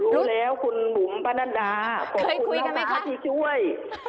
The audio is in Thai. รู้แล้วคุณบุ๋มป้านัดดาขอบคุณแล้วคะพี่ช่วย